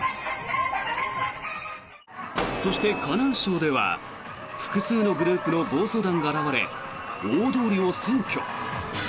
そして、河南省では複数のグループの暴走団が現れ大通りを占拠。